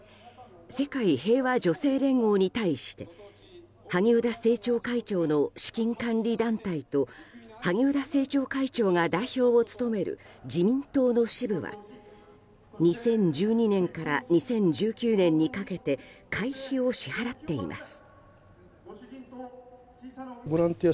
世界平和女性連合に対して萩生田政調会長の資金管理団体と萩生田政調会長が代表を務める自民党の支部は２０１２年から２０１９年にかけて会費を支払っています。